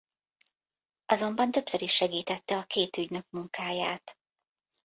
Azonban többször is segítette a két ügynök munkáját.